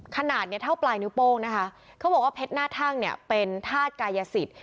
ขนาดเนี่ยเท่าปลายนิ้วโป้งนะคะเขาบอกว่าเพชรหน้าทั่งเนี่ยเป็นธาตุกายสิทธิ์